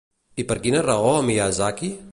I per quina raó a Miyazaki?